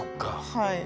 はい。